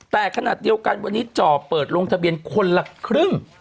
แต่ขณะเดียวกันวันนี้จ่อเปิดลงทะเบียนคนละครึ่ง